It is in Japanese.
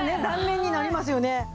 断面になりますよね。